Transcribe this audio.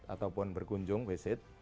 ataupun berkunjung visit